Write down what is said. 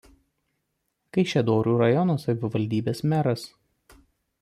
Kaišiadorių rajono savivaldybės meras.